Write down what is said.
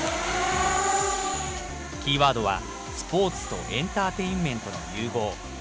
キーワードは、スポーツとエンターテインメントの融合。